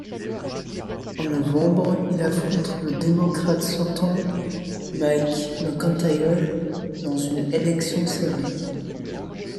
En novembre, il affronte le démocrate sortant Mike McIntyre dans une élection serrée.